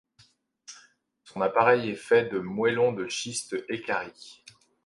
Son appareil est fait de moellons de schiste équarris.